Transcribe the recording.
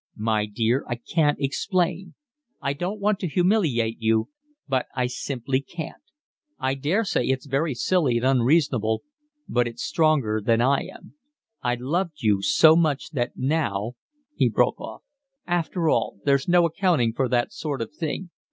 "My dear, I can't explain. I don't want to humiliate you, but I simply can't. I daresay it's very silly and unreasonable, but it's stronger than I am. I loved you so much that now…" he broke off. "After all, there's no accounting for that sort of thing."